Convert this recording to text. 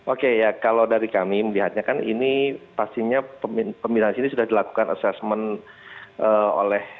oke kalau dari kami melihatnya kan ini pastinya pemindahan sini sudah dilakukan asesmen oleh